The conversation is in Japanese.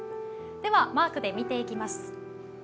では、マークで見ていきます。